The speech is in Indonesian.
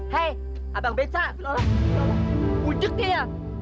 hei abang beca ujek dia